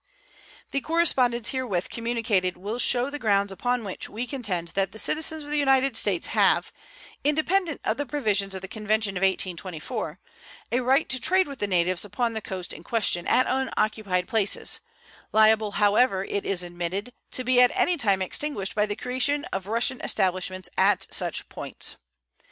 The correspondence herewith communicated will show the grounds upon which we contend that the citizens of the United States have, independent of the provisions of the convention of 1824, a right to trade with the natives upon the coast in question at unoccupied places, liable, however, it is admitted, to be at any time extinguished by the creation of Russian establishments at such points.